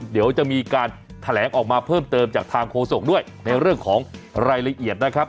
เดี๋ยวจะมีการแถลงออกมาเพิ่มเติมจากทางโฆษกด้วยในเรื่องของรายละเอียดนะครับ